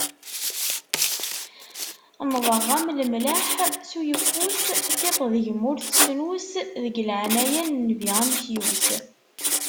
Nnḍeɣ-am lemlaḥ s uyeffus, tiṭ deg-m ur tettnus, deg laɛnaya n nnbi amekyus.